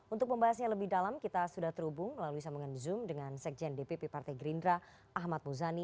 untuk membahasnya lebih dalam kita sudah terhubung melalui sambungan zoom dengan sekjen dpp partai gerindra ahmad muzani